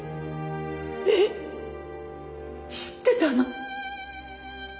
えっ知ってたの？